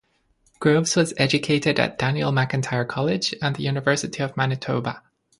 Groves was educated at Daniel McIntyre College and the University of Manitoba.